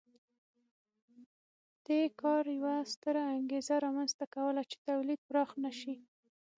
دې کار یوه ستره انګېزه رامنځته کوله چې تولید پراخ نه شي